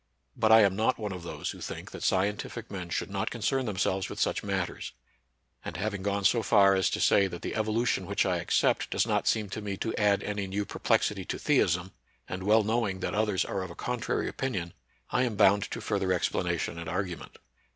But I am not one of those who think that scientific men should not con cern themselves Avith such matters ; and having gone so far as to say that the evolution wMch I accept does not seem to me to add any new perplexity to theism, and well knowing that others are of a contrary opinion, I am bound to further explanation, and argument.